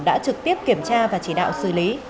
đã trực tiếp kiểm tra và chỉ đạo xử lý